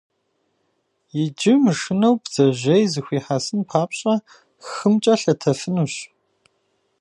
Иджы, мышынэу, бдзэжьей зыхуихьэсын папщӀэ, хымкӀэ лъэтэфынущ.